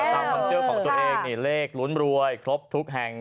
ตามความเชื่อของตัวเองนี่เลขลุ้นรวยครบทุกแห่ง